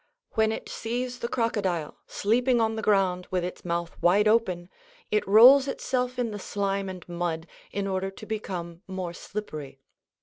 When it sees the crocodile sleeping on the ground with its mouth wide open, it rolls itself in the slime and mud in order to become more slippery.